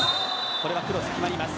これはクロスに決まります。